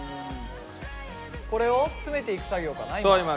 これを詰めていく作業かな今？